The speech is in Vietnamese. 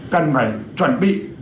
cần phải chuẩn bị